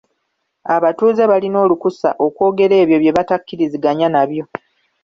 Abatuuze balina olukusa okwogera ebyo bye batakkiriziganya nabyo.